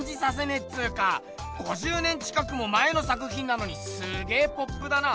っつうか５０年近くも前の作品なのにすげポップだな。